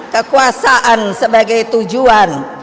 kekuasaan sebagai tujuan